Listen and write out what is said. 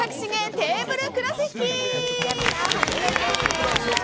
テーブルクロス引き！